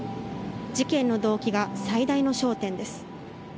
事件の動機が最大の焦点です。